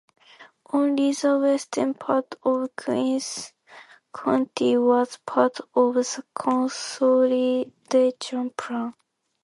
Only the western part of Queens County was part of the consolidation plan.